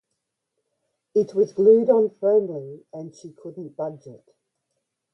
It was glued on firmly and she couldn't budge it.